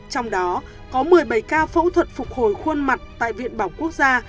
trong đó có một mươi bảy ca phẫu thuật phục hồi khuôn mặt tại viện bỏng quốc gia